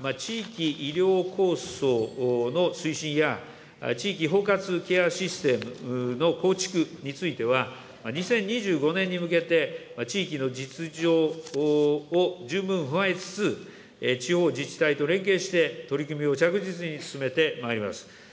また、地域医療構想の推進や、地域包括ケアシステムの構築については、２０２５年に向けて、地域の実情を十分踏まえつつ、地方自治体と連携して、取り組みを着実に進めてまいります。